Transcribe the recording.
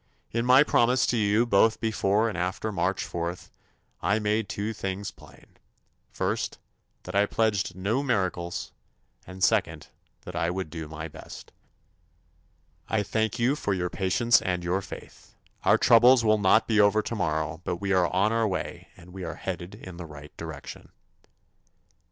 In my promises to you both before and after March 4th, I made two things plain: First, that I pledged no miracles and, second, that I would do my best. I thank you for your patience and your faith. Our troubles will not be over tomorrow, but we are on our way and we are headed in the right direction.